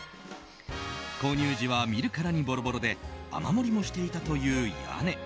購入時は見るからにボロボロで雨漏りもしていたという屋根。